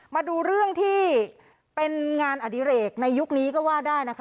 มาดูเรื่องที่เป็นงานอดิเรกในยุคนี้ก็ว่าได้นะคะ